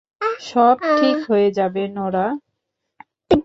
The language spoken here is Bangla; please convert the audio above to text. সব ঠিক হয়ে যাবে, নোরাহ।